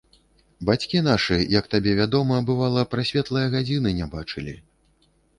Бацькі нашы, як табе вядома, бывала, прасветлае гадзіны не бачылі.